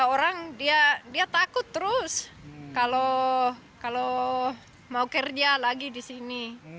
orang dia takut terus kalau mau kerja lagi di sini